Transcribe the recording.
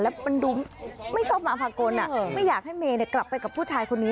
แล้วมันดูไม่ชอบมาพากลไม่อยากให้เมย์กลับไปกับผู้ชายคนนี้